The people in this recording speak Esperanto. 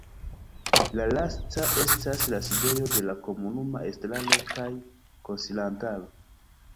La lasta estas la sidejo de la komunuma estraro kaj konsilantaro.